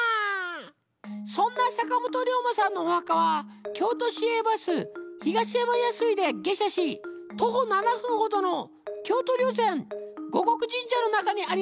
そんな坂本龍馬さんのお墓は京都市営バス東山安井で下車し徒歩７分ほどの京都霊山護国神社の中にありますだにゃー。